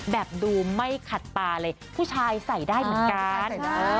แบบดูไม่ขัดตาเลยผู้ชายใส่ได้เหมือนกัน